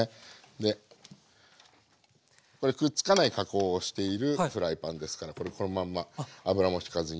でこれくっつかない加工をしているフライパンですからこのまんま油もしかずにね。